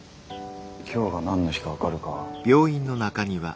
今日が何の日か分かるか？